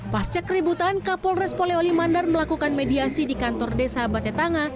pas cek keributan kapolres pola wali mandar melakukan mediasi di kantor desa batetanga